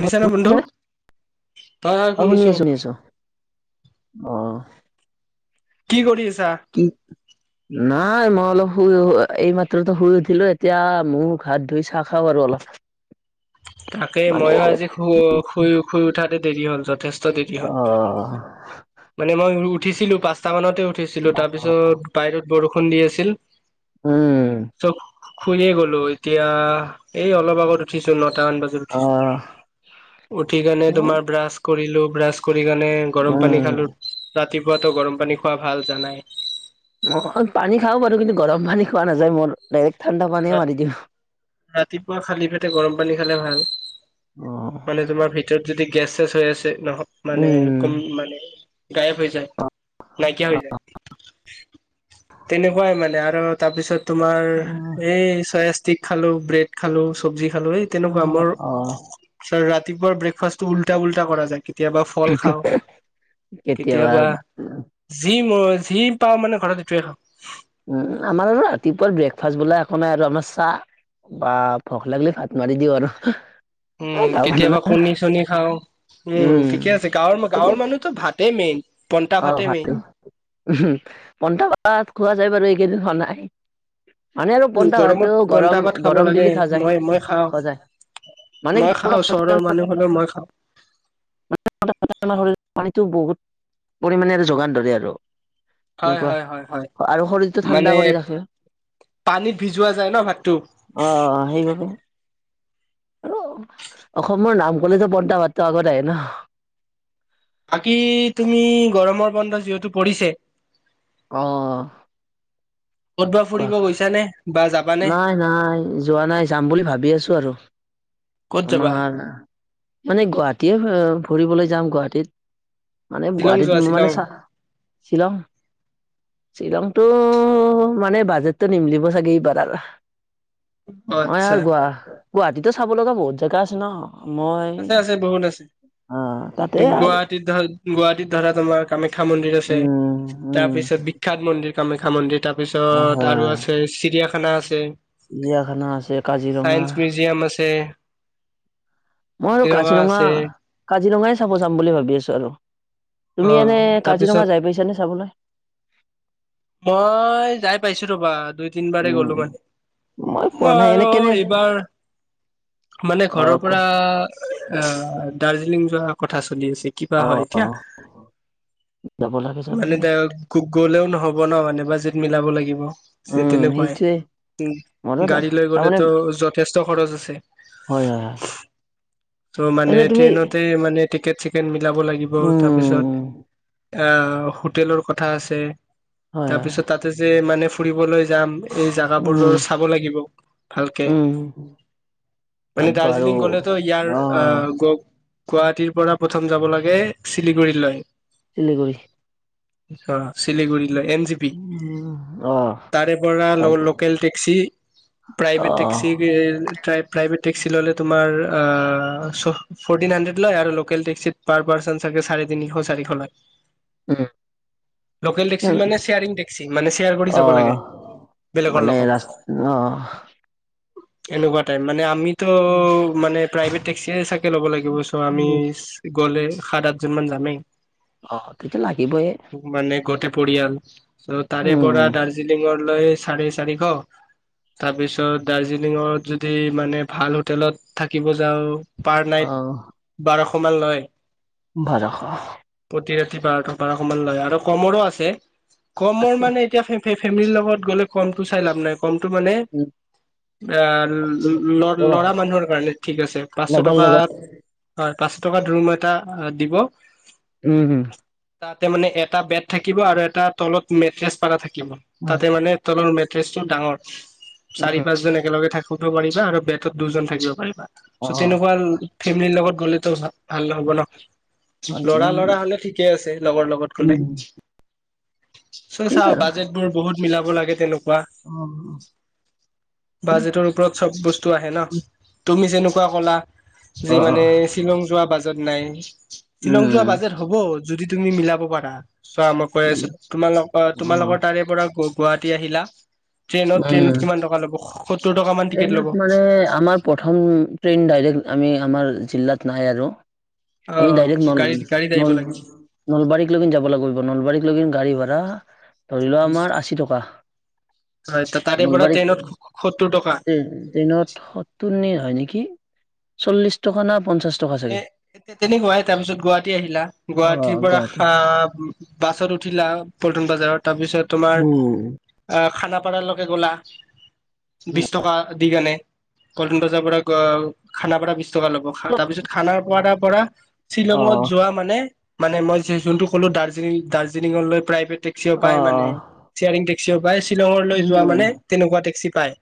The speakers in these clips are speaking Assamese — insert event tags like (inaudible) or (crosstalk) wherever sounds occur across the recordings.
অ', নে বন্ধু? হয় শুনি শুনিছো। আছো শুনি আছো অ। কি কৰি আছা? কি? নাই মই অলপ শুই এই মাত্ৰতে শুই উঠিলো এতিয়া মোৰ হাত ধুই চাহ খা বাৰ অলপ। তাকেই মানে ময়ো আৰু আজি শুই শুই উঠা দেৰি হ'ল যথেষ্ট। হয় দেৰি অ হ'ল মানে মই শুই উঠিছিলো পাঁচটা মানতে উঠিছিলো তাৰপিছত। বাইিৰত বৰষুণ দি আছিল উম চব। শুইয়ে গ'লো এতিয়া এই অলপ আগত উঠিছিলোঁ নটামান বজাত। ছ অ উঠিছো তোমাৰ ব্ৰাছ কৰিলো ব্ৰাছ কৰি কিনে। গৰম পানী উম খালো ৰাতিপুৱাতো গৰম পানী খোৱা ভাল জানাই। অই পানী খাও আৰু কিন্তু গৰম পানী খোৱা নাযাও মোৰ ডাইৰেক্ট ঠাণ্ডা পানীয়ে মাৰি দিওঁ। ৰাতিপুৱা খালী পেটে গৰম পানী খালে ভাল অ মানে তোমাৰ ভি ভিতত যদি গেছ-ছেচ হৈ আছে। নহয় মানে উম কম মানে গায়ব হৈ যায় নাইকিয়া হৈ যায়। তেনেকুৱাই মানে আৰু তাৰপিছত তোমাৰ। অ এই চয়া ষ্টিক খালো ব্ৰেড খালো চবজি খালো এই অ তেনেকুৱা মোৰ। অ ছ ৰাতিপোৱাটো ব্ৰেকফাষ্ট টো উল্টা-পুল্টা কৰা যায়। কেতিয়াবা ফল খাওঁ কেতিয়াবা। যি যি মন পাও মানে ঘৰত সেইটোৱে খাও। উম আমাৰ আৰু ৰাতিপুৱা ব্ৰেকফাষ্ট বোলা এক নাই আৰু আমাৰ চাহ। বা ভোক লাগিলে ভাত মাৰি দিওঁ আৰু। উম এই গাঁৱৰ মানুহ না কেতিয়াবা কণী-চণী খাওঁ উম ঠিকে আছে গাঁৱৰ গাঁৱৰ মানুহ। টো ভাতেই মেইন। পন্টা অ', ভাতেই মেইন ভাতটো উম পন্টা ভাত খোৱা যায় বাৰু এইকেইদিন হোৱা নাই। মানে আৰু পণ্টা গৰমত ভাতটো পন্টা গৰম ভাত খাব গৰম লাগে দিলি খোৱা যায় মই মই খাওঁ খোৱা যায়। মানে কি মই খাওঁ চহৰৰ মানুহ হলেও মই খাওঁ। (unintelligible) পৰিমাণেৰে যোগান ধৰে আৰু হয় এনেকুৱা হয় হয় হয় আৰু শৰীৰটো মানে ঠাণ্ডা কৰি ৰাখে। পানীত ভিজোৱা যায় ন ভাতটো অ অ সেইবাবে। অ অসমৰ নাম কলে যে বন্টা ভাতটো আগতে আহে ন। বাকী তুমি গৰমৰ বন্ধ যিহেতু পৰিছে। অঁ। ক'ত বা ফুৰিব কোৱা, গৈছানে বা যাবানে নাই নাই যোৱা নাই যাম বুলি ভাবি আছো আৰু। ক'ত যাবা আমাৰ মানে গুৱাহাটীয়ে ফুৰিবলৈ যাম গুৱাহাটীত। মানে শ্বিলং যোৱা গুৱাহাটীত শ্বিলং মানে চা শ্বিলং শ্বিলংতো মানে বাজেটতো নিমলিব চাগে এইবাৰ আৰ অ মই আচ্ছা আৰু গোৱা গুৱাহাটীতো চাব লগা বহুত জেগা আছে ন। মই আছে আছে বহুত আছে। আহ তাতে আৰু গুৱাহাটীত ধৰা গুৱাহাটীত ধৰা তোমাৰ কামাখ্যা মন্দিৰ আছে উম উম তাৰপিছত বি খ্যাত মন্দিৰ কামাখ্যা মন্দিৰ অ তাৰপিছত হয় আৰু হয় আছে চিৰিয়াখানা আছে। চিৰিয়াখানা আছে কাজিৰঙা চাইন্স মিউজিয়াম আছে। মইও কাজিৰঙা কাজিৰঙাই চাব যাম বুলি ভাবি আছো আৰু অ তুমি এনে তাৰপিছত কাজিৰঙা যাই পাইছানে চাবলৈ? মই যাই পাইছো ৰবা দুই তিন বাৰে উম গ'লো মানে পোৱা মই নাই এনে আৰু কেনে এইবাৰ মানে অ ঘৰৰ কোৱা পৰা আ দাৰ্জিলিং যোৱা কথা চলি আছিল। কিবা অ হয় অ এতিয়া যাব লাগে যাব মানে লাগে এতিয়া গলেও নহ'ব। মানে বাজেট মিলাব লাগিব যে উম তেনেকোৱাই সেইটোৱে উ মনত গাড়ী লৈ তাৰমানে গলেতো যথেষ্ট খৰছ আছে হয় হয় হয় ত মানে এনে তুমি ট্ৰেইনতে মানে টিকেট চিকেট মিলাব লাগিব তাৰপিছত উম আহ হোটেলৰ কথা আছে। হয় তাৰপিছত হয় তাতে যে মানে ফুৰিবলৈ যাম এই জাগাবোৰো উম চাব লাগিব ভালকে। উম মানে তাত বাৰু দাৰ্জিলিং গ'লেতো অ ইয়াৰ অহ গ গুৱাহাটীৰ পৰা প্ৰথম যাব লাগে চিলিগুৰিলৈ। চিলিগুৰি। অ চিলিগুৰি এন জি পি অহ তাৰে পৰা লো লো অহ local taxi private taxi private taxi ললে তোমাৰ আহ চ ফৰটিন হাণ্ড্ৰেড লয় আৰু লোকেল টেক্সিত পাৰ পাৰ্চন চাগে চাৰে তিনিশ চাৰিশ লয়। উম লোকেল টে ক্সি মানে ছেয়াৰিং টেক্সি মানে ছেয়াৰ কৰি যাব অহ লাগে বেলেগৰ মানে লগত। ৰাস অহ এনেকোৱা টাইপ মানে আমিতো মানে প্ৰাইভেট টেক্সিয়ে চা য়ে ল'ব লাগিব চ' আমি গ'লে সাত আঠজন মান যামেই। অ তেতিয়া লাগিবয়ে। মানে গোটেই পৰিয়াল ত তাৰে উম পৰা দাৰ্জিলিঙৰ লৈ চাৰে চাৰিশ। তাৰ পিছত দাৰ্জিলিঙত যদি মানে ভাল হোটেলত থাকিব যাও পাৰ নাইট অহ বাৰশ মান লয়। বাৰশ প্ৰতি ৰাতি বাৰটা বাৰশ মান লয় আৰু কমৰো আছে কমৰ আছে মানে এতিয়া সেই সেই ফেমিলিৰ লগত গ'লে কমটো চাই লাভ নাই কমটো মানে এ ল ল'ৰা মানুহৰ কাৰণে ঠিক আছে পাঁচশ লগৰ টকা লগত হয় পাঁচশ টকা ৰুম এটা দিব উম হুম। তাতে মানে এটা বেত থাকিব আৰু এটা তলত মেট্ৰেছ পাৰা থাকিব হয় তাতে মানে তলৰ মেট্ৰেছটো ডাঙৰ চাৰি পাঁচ জন একেলগে থাক কিব পাৰিবা আৰু বেটত দুজন থাকিবা পাৰিবা অ চ' তেনেকোৱা লা ফেমিলিৰ লগত গ'লেতো ভাল নহ'ব ন লৰা লৰা হলে ঠিকে আছে লগৰ লগত গলে। চ' ঠিক চাও বাজেট বোৰ বহুত মিলাব লাগে তেনেকুৱা। অঁ। বাজেটৰ ওপৰত চব বস্তু আহে ন তুমি যেনেকুৱা ক'লা যে অ অ মানে শ্বিলং যোৱা বাজেট নাই শ্বিলং যোৱা বাজেট উম হ'ব যদি তুমি মিলাব পাৰা, চোৱা মই কৈ আছো তোমালোক অ'। তোমালোকৰ উম, তাৰে পৰা গুৱাহাটী আহিলা ট্ৰেইনত ট্ৰেইনত কিমান টকা ল'ব সত্তৰ টকা মান টিকট ল'ব। এ আমাৰ প্ৰথম ট্ৰেইন ডাইৰেক্ট আমি আমাৰ জিলাত নাহে আৰু অ আমি ডাইৰেক্ট নল গাড়ীত গাড়ীত আহিব নল লাগে নলবাৰীকলৈকে যাব লাগিব নলবাৰীকলৈকে গাড়ী ভাড়া ধৰি লোৱা আমাৰ আশী টকা, হয় তাৰে পৰা ট্ৰেইনত সত্তৰ টকা। উম ট্ৰেইনত সত্তৰ নে হয় নেকি। চল্লিশ টকা না পঞ্চাশ টকা এ চাগে তে তেনেকুৱাই তাৰ পিছত গুৱাহাটী আহিলা অ', গুৱাহাটীৰ পৰা গুৱাহাটী। হা বাছত উঠিলা পল্টন বজাৰত তাৰপিছত তোমাৰ উম আহ খানাপাৰালৈকে গ'লা বিশ টকা দি কেনে। পল্টন বজাৰ পৰা খানাৰ পৰা বিশ টকা ল'ব তাৰ পিছত খানাপাৰাৰ তাৰ পৰা শ্বিলঙত অ', যোৱা মানে মানে মই যোনটো ক'লো দাৰ্জিলি দাৰ্জিলিঙলৈ প্ৰাইভেট টেক্সিও পাই মানে অ', চেয়াৰিং টেক্সিও পায় শ্বিলঙলৈ যোৱা মানে উম, তেনেকুৱা টেক্সি পায়।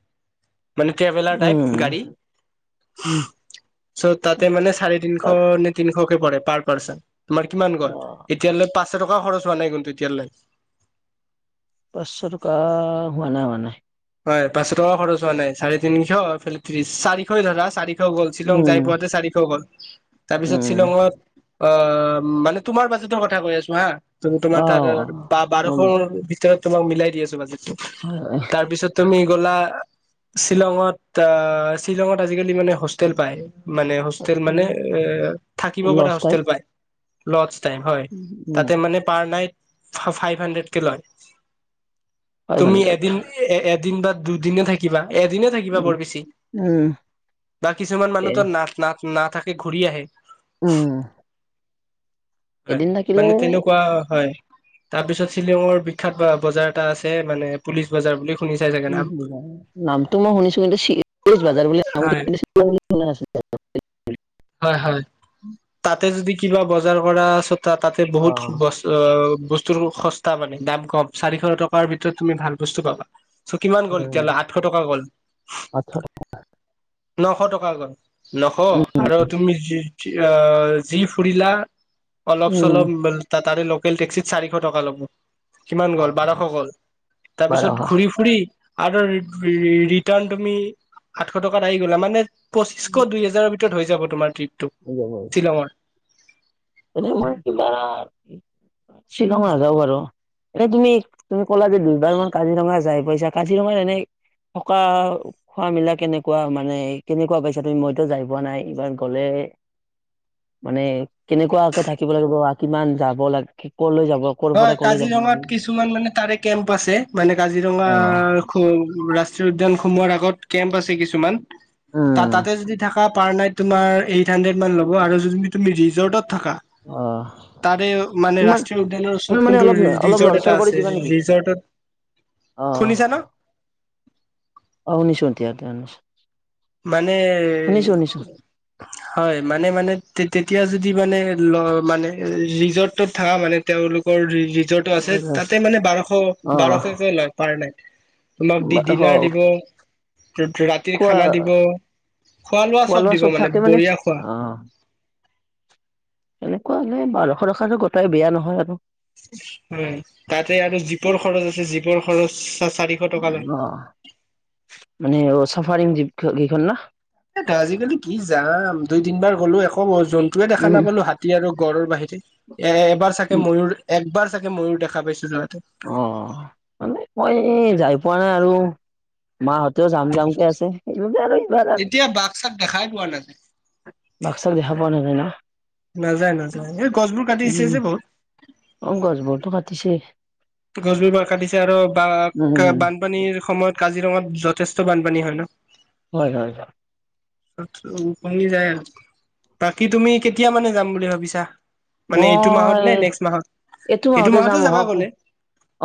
মানে ট্ৰেভেলাৰ টাইপ উম। গাড়ী। উম চ' তাতে মানে চাৰে তিনশ তাত নে তিনিশকে পাৰ পাৰ্চেন, তোমাৰ কিমান গ'ল অ', এতিয়ালৈ পাঁচশ টকা খৰচ হোৱা নাই কিন্তু এতিয়ালৈ। পাঁচশ টকা হোৱা নাই মানে? হয়, পাঁচশ টকা খৰচ হোৱা নাই চাৰে তিনিশ এইফালে ত্ৰিশ চাৰিশ ধৰা চাৰি ত' গ'ল শ্বিলং যাই উম, পোৱাতে চাৰিশ গ'ল, তাৰপিছত উম। শ্বিলঙত অ' মানে তোমাৰ বাজেটৰ কথা কৈ আছো হা অ', তোমাৰ তাত বাৰশ ত' তোমাক মিলাই দি আছো বাজেতটো। হয় হয়। তাৰপিছত তুমি গ'লা শ্বিলঙত আ শ্বিলঙত আজিকালি মানে হোষ্টেল পায় মানে হোষ্টেল মানে এ থাকিব পাৰা লষ্ট টাইপ হোষ্টেল পাই। লৰ্ড ষ্টে হয়, উম, তাতে মানে পাৰ নাইট ফাই হান্ড্ৰেড কে লয়, ফাইভ তুমি হাণ্ড্ৰেড এদিন এ এদিন বা দুদিনে থাকিবা এদিনে থাকিবা উম, বৰ বেছি বা কিছুমান মানুহ এ ত না না নাথাকে ঘূৰি আহে। উম। হয়, এদিন থাকিলে মানে তেনেকুৱা হয়। তাৰ পিছত শ্বিলঙৰ বিখ্যাত বজাৰ এটা আছে মানে পুলিচ বজাৰ বুলিও নামটো মই শুনিছো কিন্তু পলিচ বজাৰ বুলি নামটো হয় শ্বিলঙত আছে বুলি শুনা নাছিলোঁ। হয় হয়, তাতে যদি কিবা বজাৰ কৰা চ তাৰ তাতে বহুত অ', ব বস্তুৰ সস্তা মানে দাম কম চাৰিশ টকাৰ ভিতৰত। তুমি ভাল বস্তু পাবা চ' কিমান গ'ল এতিয়ালৈ আঠশ টকা গ'ল। আঠশ টকা নশ টকা গ'ল নশ উম, আৰু তুমি যি অ যি ফুৰিলা অলপ উম, চলপ তা তাৰে লোকেল টেক্সিত চাৰিশ টকা ল'ব কিমান গ'ল বাৰশ অ', গ'ল। বাৰশ তাৰপিছত ঘূৰি ফুৰি আৰু ৰি ৰিটাৰ্ণ তুমি আঠশ টকাত আহি গ'লা মানে উম, পঁচিছশ দুই হাজাৰৰ ভিতৰত হৈ যাব তোমাৰ ট্ৰপটো হৈ যাব আৰু শ্বিলংৰ মানে মই কিবা শ্বিলং নাযাও বাৰু এনে তুমি তুমি ক'লা যে দুইবাৰ মান কাজিৰঙা যাই পইছা কাজিৰঙা এনেই থকা খোৱা মেলা কেনেকুৱা মানে কেনেকুৱা পাইছা তুমি মইতো যাই পোৱা নাই এইবাৰ গ'লে মানে কেনেকুৱাকে থাকিব লাগিব বা কিমান যাব লাগে কলৈ যাব ক'ৰ হয় পৰা কলৈ যাব কাজিৰঙাত লাগে কিছুমান মানে তাৰে কেম্প আছে মানে অ', কাজিৰঙাৰ খু ৰা ষ্ট্ৰীয় উদ্যান সমূহৰ আগত কেম্প আছে কিছুমান উম তাতে যদি থাকা পাৰ নাইট তোমাৰ এইট হানড্ৰেড মান ল'ব আৰু যদি তুমি ৰিজৰ্টত থাকা কিমান তাৰে মানে ৰাষ্ট্ৰীয় উদ্যানৰ তোমাৰ তোমাৰ ওচৰত মানে কোনটো অলপ অলপ ৰিজৰ্ট লৰচৰ এটা কৰি আছে দিবা নেকি অ ৰিজৰ্টত শুনিছা ন অ শুনিছোঁ এতিয়া এতিয়া শুনিছোঁ মানে হয় মানে মানে তেতিয়া যদি মানে ল মানে ৰিজৰ্টত থাকা মানে তেওঁলোকৰ ৰি ৰিজৰ্টটো আছে শুনিছো। তাতে মানে বাৰশ অ বাৰশকে লয় পাৰ নাইট তোমাক দি অ ডিনাৰ দিব, ৰাতিৰ খোৱা খানা দিব খোৱা-লোৱা খোৱা চব লোৱা দিব মানে থাকে বঢ়িয়া খোৱা অ এনেকুৱা হ'লে বাৰশ টকাটে গটাই বেয়া নহয় আৰু উম তাতে আৰু জীপৰ খৰচ আছে জীপৰ খৰচ চাৰি অ মানে চাফাৰিং জিপ গিখন না হেতু আজিকালি কি যাম দুই, তিনবাৰ গলো একো জন্তুৱে দেখা নাপালো হাত তী আৰু গড়ৰ বাহিৰে এ এবাৰ চাগে ময়ুৰ একবাৰ চাগে ময়ুৰ দেখা পাইছো যাওঁতে অ মানে মই এই যাই পোৱা নাই আৰু মাহঁতেও যাম যামকে আছে একেলগতে আৰু এইবাৰ এতিয়া বাঘ-চাক দেখাই পোৱা নাযায় বাঘ চাক দেখা পোৱা নাযায় ন নাযায় নাযায় এই গছবোৰ কাটি দিছে যে বহুত অ গছবোৰটো কাটিছেই গছবোৰ বাও কাটিছে আৰু বা বানপানীৰ সময়ত কাজিৰঙাত যথেষ্ট বানপানী হয় ন হয় হয় হয় তাত টো উপঙি যায় আৰু বাকী তুমি কেতিয়া মানে যাম বুলি ভাবিছা? মানে এইটো মাহত মই নে নেক্সট মাহত এইটো মাহতে যাম অহা সপ্তাহত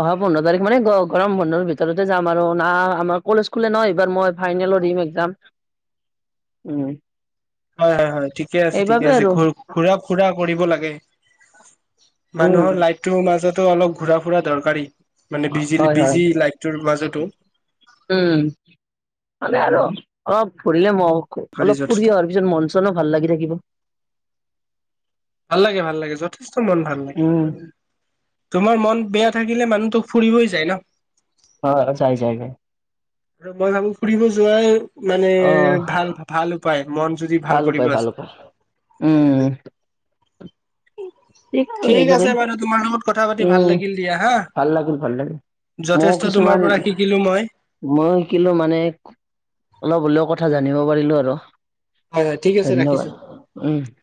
অহা পোন্ধৰ তাৰিখ মানে গ গৰম বন্ধৰ ভিতৰতে যাম আৰু না আমাৰ কলেজখোললে নহয় এইবাৰ মই ফাইনেলৰ দি মেনে যাম (inaudible) উম হয় হয় হয় ঠিকে আছে ঠিকে সেইবাবে আছে আৰু ঘ ঘুৰা ফুৰা কৰিব লাগে উম মানুহৰ লাইফটোৰ মাজতো অলপ ঘূৰা ফুৰা দৰকাৰী মানে বিজি হয় হয় বিজি লাইফটোৰ মাজতো উম মানে আৰু অলপ ফুৰিলে ম দৰকাৰী অলপ যথেষ্ট ফুৰি অহাৰ পিছত মন চ নো ভাল লাগি থাকিব ভাল লাগে, ভাল লাগে, যথেষ্ট মন ভাল লাগে। উম (unintelligible) তোমাৰ মন বেয়া থাকিলে মানুহটো ফুৰিবই যায় ন। (unintelligible) হয়-হয়। যায়-যায় (unintelligible) আৰু মই ভাবো ফুৰিব যোৱাই মানে অহ ভাল-ভাল উপায় মন যদি ভাল কৰিব আছে। (inaudible) উম! (inaudible) আৰু ঠিক এইদৰে আছে বাৰু তোমাৰ লগত কথা পাতি ভাল উম লাগিল দিয়া হা। ভাল লাগিল ভাল লাগিল। (unintelligible) যথেষ্ট তোমাৰ পৰা শিকিলোঁ মই। (inaudible) মইও শিকিলোঁ মানে অলপ হ'লেও কথা জানিব পাৰিলোঁ আৰু। (inaudible) হয় হয় ঠিক আছে ধন্যবাদ। ৰাখিছো উম! (unintelligible)